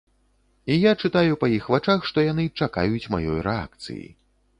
І я чытаю па іх вачах, што яны чакаюць маёй рэакцыі.